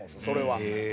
それは。